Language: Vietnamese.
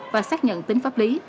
và xác nhận tính pháp lý